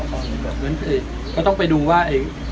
เหมือนก็ต้องไปดูว่า